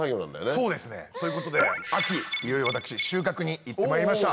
そうですね。ということで秋いよいよ私収穫に行ってまいりました。